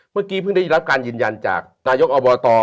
เมื่อกี้เพิ่งได้รับการยืนยันจากนายกอบต